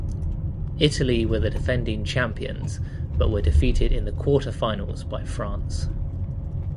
Italy were the defending champions but were defeated in the Quarterfinals by France.